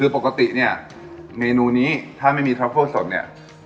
ปกติเนี่ยเมนูนี้ถ้าไม่มีทรัฟเฟิร์สสดเนี่ย